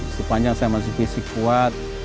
sepanjang saya masih fisik kuat